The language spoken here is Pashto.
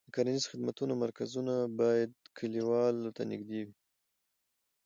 د کرنیزو خدمتونو مرکزونه باید کليوالو ته نږدې وي.